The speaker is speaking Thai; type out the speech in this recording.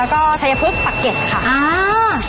แล้วก็โชยพล็อคปะเกดค่ะ